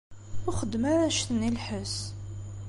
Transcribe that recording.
Ur xeddem ara annect-nni n lḥess!